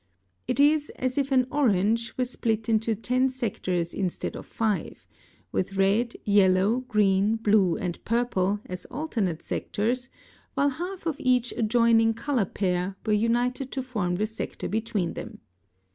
It is as if an orange (paragraph 9) were split into ten sectors instead of five, with red, yellow, green, blue, and purple as alternate sectors, while half of each adjoining color pair were united to form the sector between them.